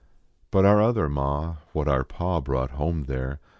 But our other ma, what our pa brought home there.